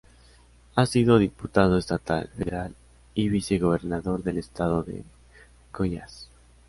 Ha sido diputado estatal, federal y vice-gobernador del estado de Goiás.